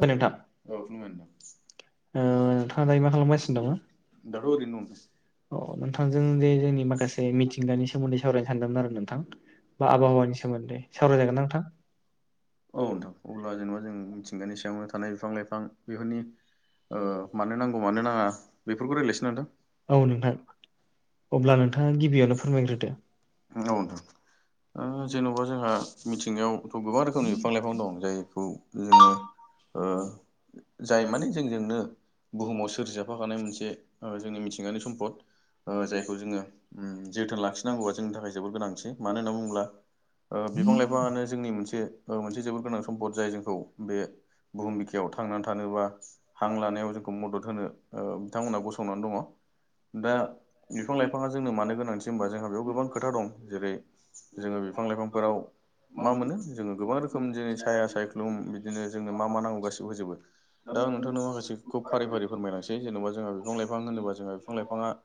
ओ नोंथां ओ नोंथाङा दायो मा खालामगासिनो दङ? दाथ' ओरैनो दं नोंथां अ नोंथांजों जे जोंनि माखासे। बे मिथिंगानि सोमोन्दै सावरायनो सानदोंमोन आरो नोंथां बा आबहावानि सोमोन्दै सावराय जागोनना नोंथां? औ नोंथां अब्ला जेनेबा जों मिथिंगानि सायावनो थानाय बिफां लाइफां बेफोरनि ओ मानो नांगौ मानो नाङा बेफोरखौ रायलायनोसै ना नोंथां। अब्ला नोंथाङा नोंथां गिबियावनो फोरमायग्रोदो। [unintelligible] नंगौ नोंथां ओ जेन'बा जोंहा मिथिंगायावथ' गोबां रोखोमनि बिफां लाइफां दं जायखौ जोङो। ओ जाय माने जोंजोंनो बुहुमाव सोरजिजाफाखानाय मोनसे जोंनि मिथिंगानि सम्पद। ओ जायखौ जोङो जोथोन लाखिनांगौआ जोंनि थाखाय जोबोद गोनांथि मानो होनना बुङोब्ला बिफां लाइफाङानो जोंनि मोनसे मोनसे जोबोद गोनां सम्पद जाय जोंखौ बे बुहुम बिखायाव थांनानै थानोबा हां लानायाव जोंखौ मदद होनो बिथांमोनहा गसंनानै दंङो दा बिफां लाइफाङा जोंनो मानो गोनांथि होनबा जोंहा बेयाव गोबां खोथा दं जेरै जोंङो बिफां लाइफांफोराव मा मोनो जोंङो गोबां रोखोम जेरै साया सायख्लुम बि दिनो जोंनो मा मा नांगौ गासिबो होजोबो दा आं नोंथां माखासेखौ फारि फारि फोरमायलांनोसै जेन'बा जोंहा बिफां लाइफां होनोबा जोंहा बिफां लाइफाङा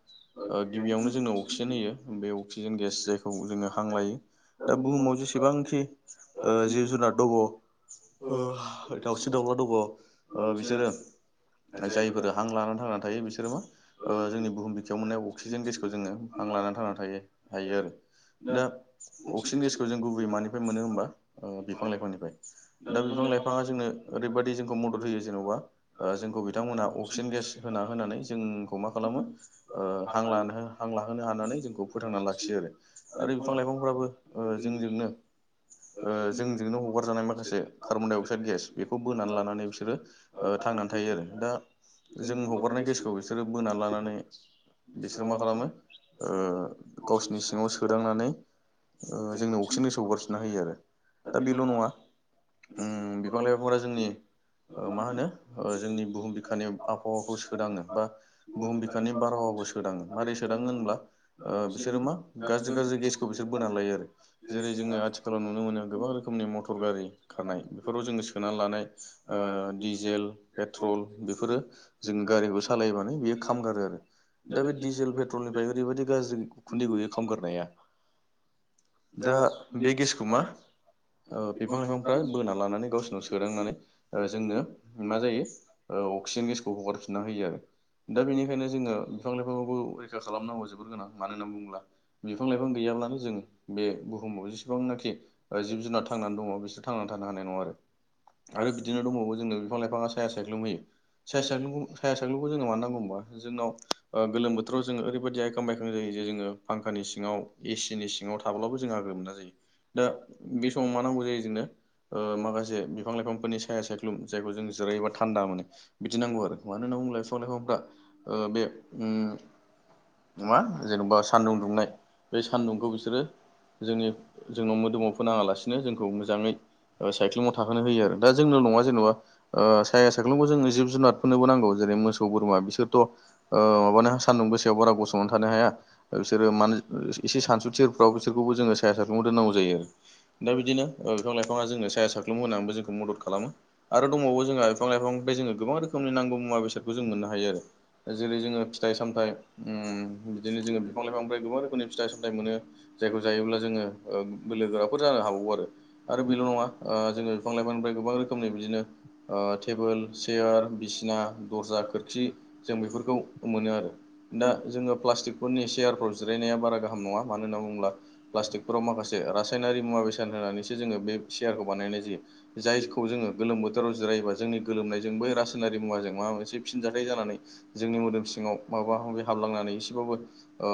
गिबियावनो जोंनो अक्सिजेन होयो बे अक्सिजेन गेस जायखौ जोंङो हां लायो दा बुहुमाव जेसेबांखि जिब जुनार दङ ओ दावस्रि दाउला दङो ओ बिसोरो जायफोर हां लानानै थांनानै थायो बिसोरो मा जोंनि बुहुम बिखायाव मोने अक्सिजेन गेसखौ जोंङो हां लानानै थांनानै थायो हायो आरो दा अक्सिजेन गेसखौ जों गुबैयै मानिफ्राय मोनो होमबा बिफां लाइफांनिफ्राय दा बिफां लाइफाङा जोंनो ओरैबायदि जोंखौ मदद होयो जेनेबा जोंखौ बिथांमोना अक्सिजेन गेस होना होनानै जोंखौ मा खालामो ओ हां हां लाहोनो हानानै जोंखौ फोथांना लाखियो आरो [unintelligible] [unintelligible] जोंजोंनो। ओ जोंजोंनो हगारजानाय माखासे खारबनडाइ अक्स क्साइड गेस बेखौ बोनानै लानानै बिसोरो थांनानै थायो आरो दा जों हगारनाय गेसखौ बिसोरो बोनानै लानानै बिसोरो मा खालामो गावसोरनि सिङाव सोदांनानै ओ जोंनो अक्सिजेन गेस हगारसोना होयो आरो दा बेल' नङा बिफां लाइफांफोरा जोंनि मा होनो जोंनि बुहुम बिखानि आबहावाखौ सोदांनो बा बुहुम बिखानि बारहावखौ सो सोदाङो मारै सोदाङो होनब्ला बिसोरो मा गाज्रि गाज्रि गेसखौ बिसोर बोना लायो आरो जेरै जोंङो आथिखालाव नुनो मोनो गोबां रोखोमनि मटर गारि खारनाय बेफोराव जोंङो सोनानै लानाय डिजेल पेट्रल बेफोरो जोंङो गारिखौ सालायबानो बेयो खामगारो आरो दा बे डिजेल पेट्रलनिफ्राय ओरैबायदि गाज्रि उखुन्दि गयो खागारनाया दा बे गेसखौ मा बिफां लाइफांफ्रा बोना लानानै गावसोरनाव सोदांनानै जोंनो मा जायो ओ अक्सिजेन गेसखौ हगारफिनना होयो आरो दा बेनिखायनो जोंङो बिफां लाइफांखौबो रैखा खालामनांगौ जोबोर गोनां मानो होनना बुंङोब्ला बिफां लाइफां गैयाब्लानो जों बे बुहुमाव जेसेबांनाखि जिब जुनार थांनानै दङो बिसोर थांनानै थानो हानाय नङा आरो आरो बिदिनो दंबावो जोंनो बिफां लाइफाङा साया सायख्लुमहयो साया साखख्लखौ साया साख्लखौ जोङो मानांगौ होनब जों गोलोम बोथोराव जोङो ओरैबायदि आयखां बायखां जायो जे जोङो फांखानि सिङांव एसिनि सिङाव थाब्लाबो जों आगोर मोना जायो दा बे समाव मा नांगौ जायो जोंनो माखासे बिफां लाइफांफोरनि साया सायख्लुम जायखौ जों जिरायोबा थान्दा मोनो बिदि नांगौ आरो मानो होना बुं लाइफां लाइफांफ्रा बे नङा जेन'बा सान्दुं दुंनाय बे सान्दुंखौ बिसोरो जोंनि जोंनाव मोदोमाव फोनाङालासिनो जोंखौ मोजाङै साइक्लुमाव थाहोनो होयो आरो दा जोंल नङा जेन'बा साया साख्लुमखौ जोंङो जिब जुनारफोरनोबो नांगौ जेरै मोसौ बोरमा बिसोरथ' माबानो सानदुं गोसायाव बारा गसंनानै थानो हाया बिसोरो मानो एसे सानसुथिफ्राव बिसोरखौबो जोङो साया साइक्लुमाव दोननांगौ जायो दा बिदिनो ओ बिफां लाइफाङा जोंनो साया साख्लुम होनानैबो जोंखौ मदद खालामो। आरो दंबावो जोंहा बिफां लाइफांनिफ्राय जोङो गोबां रोखोमनि नांगौ मुवा बेसादखौ जों मोननो हायो आरो। जेरै जोङो फिथाइ सामथाइ उम बिदिनो जोङो बिफां लाइफांनिफ्राय गोबां रोखोमनि फिथाइ सामथाइ मोनो। जायखौ जायोब्ला जोङो बोलो गोराफोर जानो हाबावो आरो बेल' नङा। ओ जोङो बिफां लाइफांनिफ्राय गोबां रोखोमनि बिदिनो। ओ टेबोल चियार बिसिना दर्जा खोरखि। जों बेफोरखौ मोनो आरो। दा जोङो प्लास्टिकफोरनि सेयारफ्राव जिरायनाया बारा गाहाम नङा मानो होनना बुङोब्ला प्लास्टिकफोराव माखासे रासायनारि मुवा बेसाद होनानैसो जोङो बे सियारखौ बानायनाय जायो। जायखौ जोङो गोलोम बोथोराव जिरायोबा जोंनि गोलोमनायजों बै रासायनारि मुवाजों माबा मोनसे फिनजाथाइ जानानै जोंनि मोदोम सिङाव माबा माबि हाबलांनानै एसेबाबो ओ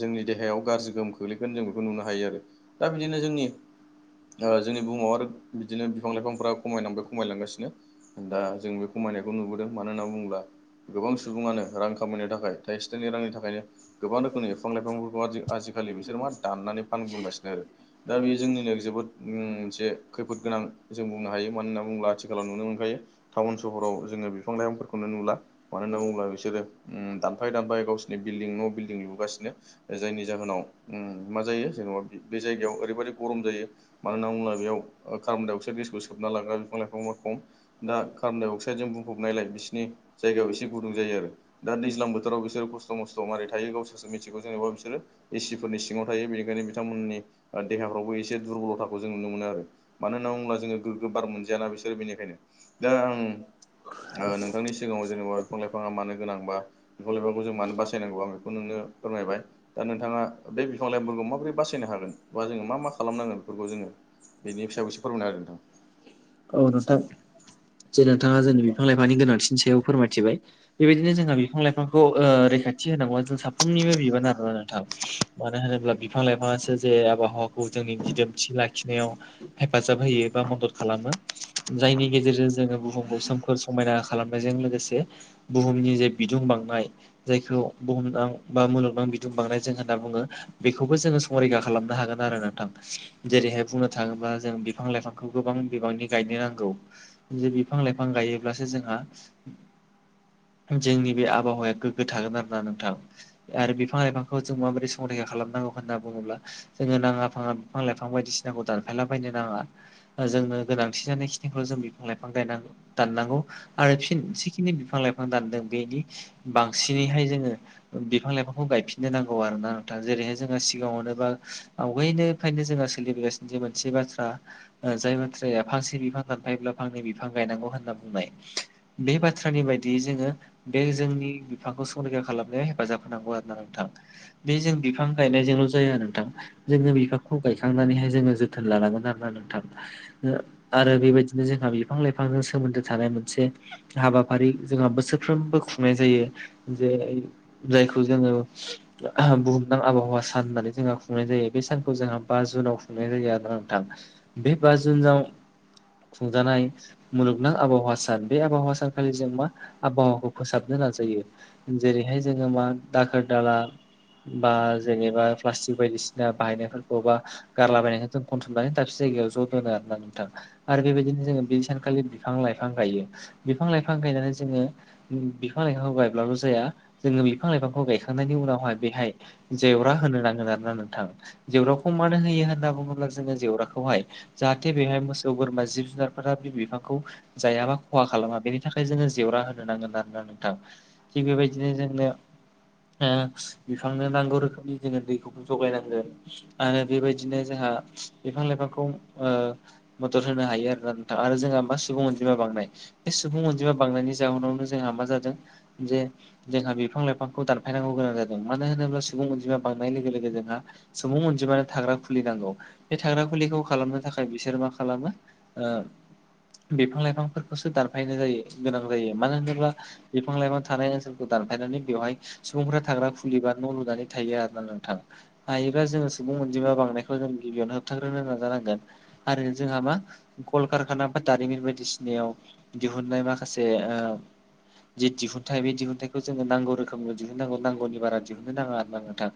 जोंनि देहायाव गाज्रि गोहोम खोख्लैगोन जों बेखौ नुनो हायो आरो दा बिदिनो जोंनि ओ जोंनि बुहुमाव आरो बिदिनो बिफां लाइफांफ्रा खमायलांबाय खमायलांगासिनो। दा जों बेखौमायनायखौ नुबोदों मानो होनना बुङोब्ला गोबां सुबुङानो रां खामायनो थाखाय थाइसे थाइनै रांनि थाखायनो गोबां रोखोमनि बिफां लाइफांफोरखौ आजि आजिखालि बिसोर मा दाननानै फानग्लुंगासिनो। ओ दा बेयो जोंनिनो जोबोद मोनसे खैफोद गोनां जों बुंनो हायो मानो होनना बुङोब्ला आथिखालाव नुनो मोनखायो। टाउन सहराव जोंङो बिफां लाइफांफोरखौनो नुला। मानो होनना बुंङोब्ला बिसोरो दानफाय दानफाय गावसोरनि बिल्डिं न' बिल्डिं लुगासिनो। जायनि जाहोनाव मा जायो जेनबा। बे जायगायाव ओरैबायाददि गरम जायो। मानो होनना बुंब्ला बेयाव कार्बनडाइअक्साइड गेसखौ सोबना लाग्रा बिफां लाइफाङा खम दा कार्बन डाइ अक्साइडजों बुंफबनायलाय बिसोरनि जायगायाव एसे गुदुं जायो आरो। दा दैज्लां बोथोराव बिसोरो खस्थ' मस्थ' माबोरै थायो गावसोरसो मिथिगौ जेनेबा बिसोरो। एसिफोरनि सिङाव थायो बेनिखायनो बिथांमोननि देहाफ्रावबो एसे दुरबलथाखौ जों नुनो मोनो। आरो मानो होनना बुोब्ला जोङो गोग्गो बार मोनजायाना बिसोरो बेनिखायनो। दा आं [unintelligible] ओ नोंथांनि सिगाङाव जेनेबा बिफां लाइफाङा मानो गोनांबा बिफां लाइफांखौ जों मानो बासायनांगौ आं बेखौ नोंनो फोरमायबाय। दा नोंथाङा बे बिफां लाइफोरखौ माबोरै बासा यनो हागोन बा जोङो मा मा खालामनांगोन बेफोरखौ जोङो बेनि फिसाब एसे फोरमायनो हागोन। औ नोंथां। जे नोंथाङा जोंनि बिफां लाइफांनि गोनांथिनि सायाव फोरमायथिबाय बेबायदिनो जोंहा बिफां लाइफांखौ ओ रैखाथि। खाथि होनांगौआ जों साफ्रोमनिबो बिबान आरोना नोंथां। मानो होनोब्ला बिफां लाइफाङासो जे आबहावाखौ जोंनि दिदोम थि लाखिनायाव हेफाजाब होयो बा मदद खालामो। जायनि गेजेरजों जोङो बुहुमखौ सोमखोर समायना खालामनायजों लोगोसे बुहुमनि जे बिदुं बांनाय जायखौ बुहुमनां बा मुलुगनां बिदुं बांनाय जों होनना बुङो। बेखौबो जोङो संरैखा खालामनो हागोन आरो नोंथां। जेरैहाय बुंनो थाङोब्ला जों बिफां लाइफांखौ गोबां बिबांनि गायनो नांगौ। जे बिफां लाइफां गायोब्लासो जोंहा जोंनि बे आबहावाया गोग्गो थागोन आरो ना नोंथां। आरो बिफां लाइफांखौ जों माबोरदि संरैखा खालामनांगौ होनना बुङोब्ला जोङो नाङा फाङा बिफां लाइफां बिफां बायदिसिनाखौ दानफायलाबायैनो नाङा। जोंनो गोनांथि जानाय खिनिखौ जों बिफां लाइफां गायनानै दाननांगौ। आरो फिन जिखिनि बिफां लाइफां दानदों बेनि बांसिनैहाय जोङो बिफां लाइफांखौ गायफिननो नांगौ आरो ना नोंथा जेरैहाय जोङो सिगाङावनो बा आवगायनिफ्रायनो जोङो सिलिबोगासिनो जे मोनसे बाथ्रा। ओ जाय बाथ्राया फांसे बिफां दानफायोब्ला फांनै बिफां गायनांगौ होनना बुंनाय। बे बाथ्रानि बायदियै जोङो बे जोंनि बिफांखौ संरैखा खालामनायाव हेफाजाब होनांगौ आरोना नोंथां बे जों बिफां गायनायजोंल' जाया नोंथां जोङो बिफांखौ गाय खांनानैहाय जोङो जोथोन लानांगोन आरोना नोंथां ओ आरो बेबायदिनो जोंहा बिफां लाइफांजों सोमोन्दो थानाय मोनसे हाबाफारि जोंहा बोसोरफ्रोमबो खुंनाय जायो जे ओ जायखौ जोङो बुहुमनां आबहावा सान होननानै जोंहा खुंनाय जायो। बे सानखौ जोंहा बा जुनाव खुंनाय जायो आरो नोंथां। बे बा जुनाव खुंजानाय मुलुग नों आबहावा सान बे आबहावा सानखालि जों मा आबहावाखौ फोसाबनो नाजायो। जेरैहाय जोङो मा दाखोर दाला बा जेनेबा प्लास्टिक बायदिसिना बाहायनायफोर‌ खौ बा गारलाबायनायखौ खनथुमनानै दाबसे जायगायाव ज' दोनो आरोना नोंथां। आरो बेबायदिनो जोङो बे सानखालि बिफां लाइफां गायो बिफां लाइफां गायनानै जोङो। बिफां लाइफांखौ गायब्लाबो जाया जोङो बिफां लाइफांखौ गायखांनायनि उनावहाय बेहाय जेवरा होनो नांगोन आरोना नोंथां जेवराखौ मानो होयो होनना बुङोब्ला जोङो जेवराखौहाय। जाहाथे बेहाय मोसौ बोरमा जिब जुनारफोरा बे बिफांखौ जायाबा खहा खालामा बेनि थाखाय जोङो जेवरा होनो नांगोन आरोना नों थां थिग बेबायदिनो जोंनो ओ बिफांनो नांगौ रोखोमनि जोङो दैखौबो जगायनांगोन। आरो बेबायदिनो जोंहा बिफां लाइफांखौ ओ मदद होनो हायो आरो ना नोंथां आरो जोंहा मा सुबुं अनजिमा बांनाय बे सुबुं अनजिमा बांनायनि जाहोनावनो जोंहा मा जादों जे जोंहा बिफां लाइफांखौ दानफायनांगौ गोनां जादों। मानो होनोब्ला सुबुं अनजिमा बांनाय लोगो लोगो जोंहा सुबुं अनजिमानो थाग्रा खुलि नांगौ बे थाग्रा खुलिखौ खालामनो थाखाय बिसोर मा खालामो। ओ बिफां लाइफांफोरखोसो दानफायनाय जायो, गोनां जायो। मानो होनोब्ला बिफां लाइफां थानाय ओनसोलखौ दानफायनानै बेवहाय सुबुंफोरा थाग्रा खुलिबा न' लुनानै थायो आरो ना नोंथां। हायोब्ला जोङो सुबुं अनजिमा बांनायखौ जों गिबियावनो होबथाग्रोनो नाजानांगोन। आरो जोंहा मा कलकारखाना बा दारिमिन बायदिसिनायाव दिहुननाय माखासे ओ। जि दिहुनथाइ बे दिहुनथाइखौ जोङो नांगौ रोखोमनि दिहुनांगौ नांगौनि बारा दिहुननो नाङा आरो ना नोंथां।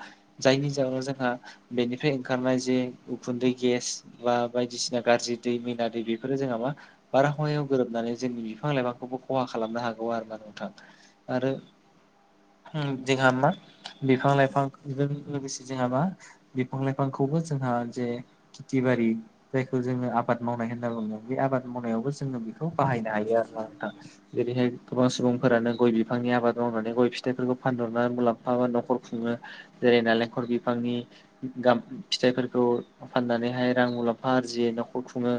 जायनि जाहोनाव जोंहा बेनिफ्राय ओंखारनाय जे उखुन्दै गेस बा बायदिसिना गाज्रि दै मिना दै बेफोरो जोंहा मा। बारहावायाव गोरोबनानै जोंनि बिफां लाइफांखौबो खहा खालामनो हागौ आरोना नोंथां। आरो देहा मा बिफां लाइफांजों लोगोसे जोंहा मा बिफां लाइफांखौबो जोंहा जे खेथि बारि जायखौ जोङो आबाद मावनाय होनना बुङो। बे आबाद मावनायावबो जोङो बेखौ बाहायनो हायो आरो ना नोंथां। जेरैहाय गोबां सुबुंफोरानो गय बिफांनि आबाद मावनानै गय फिथाइफोरखौ फानहरनानै मुलाम्फाबा न'खर खुङो। जेरै नालेंखर बिफांनि गाम फिथाइफोरखौ फाननानैहाय रां मुलाम्फा आरजियो न'खर खुङो।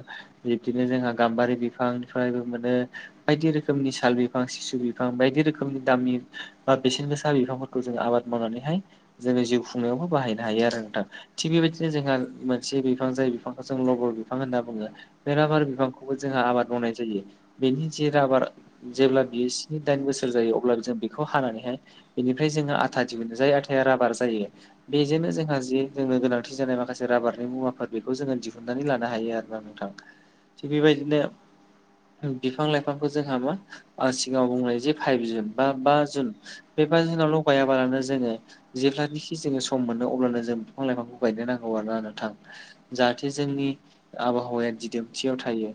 बिबदिनो जोंहा गाम्बारि बिफांनिफ्रायबो मोनो। बायदि रोखोमनि साल बिफां सिसु बिफां बायदि रोखोमनि दामनि बा बेसेन गोसा बिफांफोर खो जोंङो आबाद मावनानैहाय जोङो जिउ खुंनायावबो बाहायनो हायो आरो नोंथां। थिग बेबायदिनो जोंहा मोनसे बिफां जायो बिफांखौ जों लबर बिफां होनना बुङो। बे राबार बिफांखौबो जोंहा आबाद मावनाय जायो। बेनि जे राबार जेब्ला बियो स्नि दाइन बोसोर जायो, अब्ला जों बे बेखौ हानानैहाय बेनिफ्राय जोङो आथा दिहुननो जाय आथाया राबार जायो। बेजोंनो जोंहा जि जोंनो गोनांथि जानाय माखासे राबारनि मुवाफोर बेखौ जोङो दि अनानै लानो हायो आरोना नोंथां थिग बेबायदिनो। बिफां लाइफांखौ जोंहा मा सिगाङाव बुंनाय जे फाइभ जुन बा बा जुन। बे जुनावल' गायाबालानो जोङो जेब्लानि बे सम मोनो अब्लानो जों बिफां लाइफांखौ गायनो नांगौ आरो ना नोंथां। जाहाथे जोंनि आबहावाया दिदोमथियाव थायो।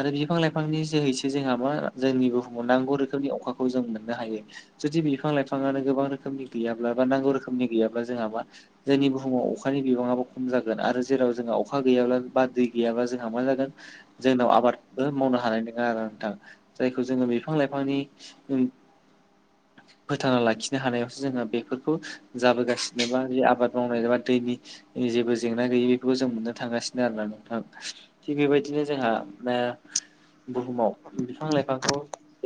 आरो बिफां लाइफांनि जोहैसो जोंहा मा जोंनि बुहुमाव नांगौ रोखोमनि अखाखौ जों मोननो हायो। जुदि बिफां लाइफाङानो गोबां रोखोमनि गैयाब्ला बा नांगौ रोखोमनि गैयाब्ला जोंहा मा जोंनि बुहुमाव अखानि बिबाङाबो खम जागोन आरो जेराव जोंहा अखा गैयाब्ला बा दै गैयाब्ला जोंहा मा जागोन जोंनाव आबादबो मावनो हानाय नोङा आरोना नोंथां। जायखौ जोङो बिफां लाइफांनि उम फोथांना लाखिनो हानायावसो जोङो बेफोरखौ जाबोगासि नो बा बे आबाद मावनाय एबा दैनि जेबो जेंना गैयि बेखौबो जों मोननो थांगासिनो आरोना नोंथां। थिग बेबायदिनो जोंहा ओ। बुहुमाव बिफां लाइफांखौ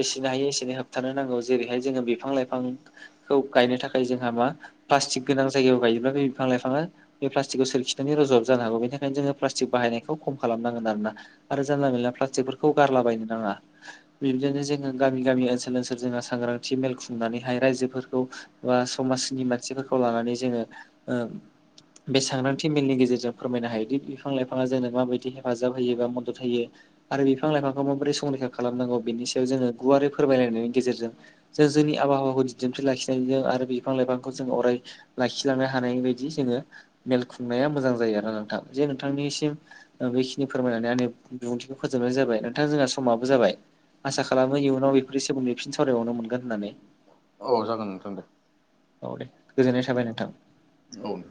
एसेनो हायो एसेनो होबथानो नांगौ। जेरैहाय जोङो बिफां लाइफांखौ गायनो थाखाय जोंहा मा प्लास्टिक गोनां जायगायाव गायोब्ला बे बिफां लायफाङो बे प्लास्टिकखौ सोरखिनानै रजवाबो जानो हागौ बेनि थाखायनो जोङो प्लास्टिक बाहायनायखौ खम खालामनांगोन आरोना। आरो जानला मेलला प्लास्टिकफोरखौ गारलाबायायनो नाङा। बिबदिनो जोङो गामि गामि ओनसोल ओनसोल जोङो सांग्रांथि मेल खुंनानैहाय रायजोफोरखौ बा समाजनि मानसिफोरखौ लानानै जोङो ओ बे सांग्रांथि मेलनि गेजेरजों फोरमायनो हायोदि बिफां लाइफाङा जोंनो माबायदि हेफाजाब होयोबा मदद होयो। आरो बिफां लाइफांखौ माबोरै संरैखा खालामनांगौ बेनि सायाव जोङो गुवारै फोरमायलायनायनि गेजेरजों जों जोंनि आबहावाखौ दिदोमथि लाखिनायजों आरो बिफां लाइफांखौ जों अराय लाखिलांनो हानाय बायदि जोङो मेल खुंनाया मोजां जायो आरोना नोंथां जे नोंथांनिसिम ओ बेखिनि फोरमायनानै आंनि बिबुंथिखौ फोजोबनाय जाबाय नोंथां जोंहा समाबो जाबाय। आसा खालामो इयुनाव बेफोरनि सोमोन्दै फिन सावरायबावनो मोनगोन होननानै। औ जागोन नोंथां दे। औ दे गोजोननाय थाबाय नोंथां। औ